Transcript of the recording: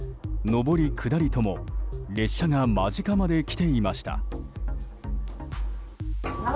上り、下りとも列車が間近まで来ていました。